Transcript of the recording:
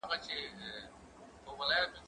زه به واښه راوړلي وي؟!